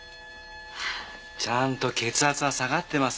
ちゃんと血圧が下がってますね。